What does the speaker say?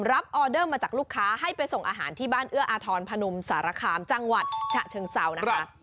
ออเดอร์มาจากลูกค้าให้ไปส่งอาหารที่บ้านเอื้ออาทรพนมสารคามจังหวัดฉะเชิงเซานะคะ